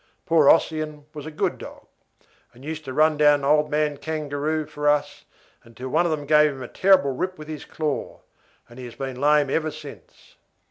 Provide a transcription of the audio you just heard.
Poor Ossian was a good dog, and used to run down an old man kangaroo for us, until one of them gave him a terrible rip with his claw, and he has been lame ever since.